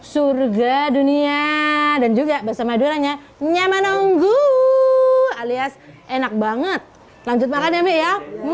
surga dunia dan juga bersama duranya nyaman nunggu alias enak banget lanjut makan ya mbak ya